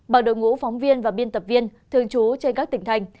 bằng đội ngũ phóng viên và biên tập viên thường trú trên các tỉnh thành